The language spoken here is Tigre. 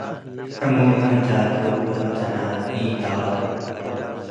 . ሕሙም ዕንታቱ እት ተናን ኢተቅርብ፣